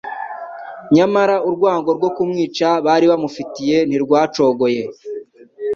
nyamara urwango rwo kumwica bari bamufitiye ntirwacogoye